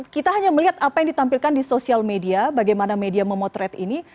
kita hanya melihat apa yang ditampilkan di sosial media bagaimana media memotret ini